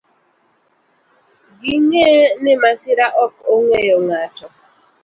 Ging'e ni masira ok ong'eyo ng'ato.